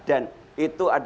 dan itu ada